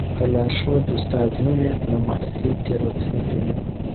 که لارښود استاد نه وي نو محصلین تېروتنې کوي.